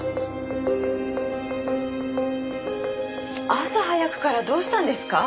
朝早くからどうしたんですか？